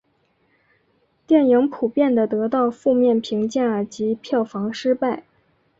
电影普遍地得到负面评价及票房失败。